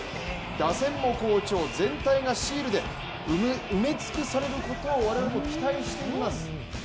打線も好調、全体がシールで埋め尽くされることを期待しています。